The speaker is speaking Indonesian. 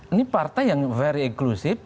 ini partai yang very inklusive